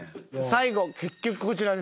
最後結局こちらです。